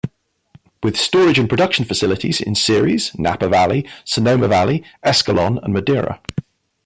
With storage and production facilities in Ceres, Napa Valley, Sonoma Valley, Escalon and Madera.